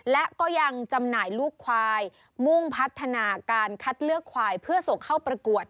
และก็ยังจำหน่ายลูกควายมุ่งพัฒนาการคัดเลือกควายเพื่อส่งเข้าประกวด